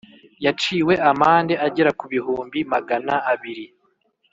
Yaciwe amande agera ku bihumbi magana abiri